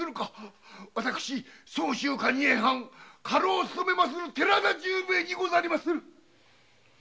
私蟹江藩の家老を勤めまする寺田重兵衛にござりまする。